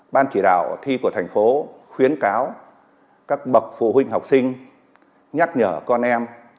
ban chỉ đạo thi của thành phố khuyến cáo các bậc phụ huynh học sinh nhắc nhở con em